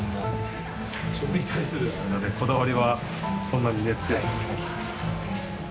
食に対するこだわりはそんなに。